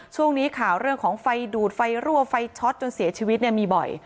ช่วงนี้ข่าวเรื่องของไฟดูดไฟรั่วไฟช็อตจนเสียชีวิตมีบ่อย